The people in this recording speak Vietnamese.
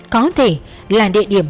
có thể là địa điểm